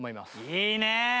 いいね！